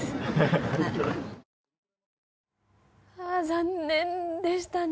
残念でしたね。